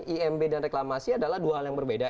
imb dan reklamasi adalah dua hal yang berbeda